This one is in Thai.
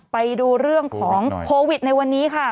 ไปดูเรื่องของโควิดในวันนี้ค่ะ